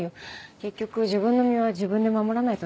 結局自分の身は自分で守らないとダメだから。